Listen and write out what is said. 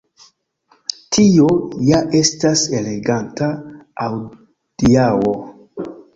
Tio ja estis eleganta adiaŭo.